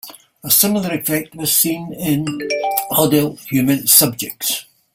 A similar effect was seen in adult human subjects.